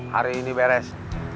hari ini beres